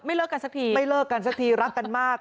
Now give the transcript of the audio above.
ไม่เลิกกันสักทีรักกันมาก